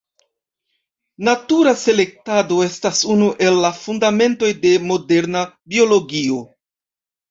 Natura selektado estas unu el la fundamentoj de moderna biologio.